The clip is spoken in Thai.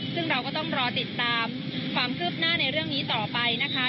ซึ่งเราก็ต้องรอติดตามความคืบหน้าในเรื่องนี้ต่อไปนะคะ